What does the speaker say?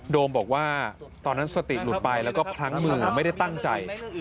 โมบอกว่าตอนนั้นสติหลุดไปแล้วก็พลั้งมือไม่ได้ตั้งใจ